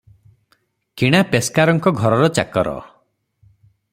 କିଣା ପେସ୍କାରଙ୍କ ଘରର ଚାକର ।